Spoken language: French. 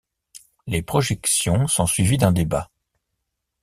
Les projections sont suivies d'un débat.